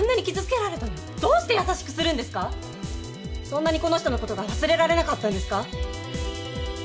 そんなにこの人のことが忘れられなかったんですか？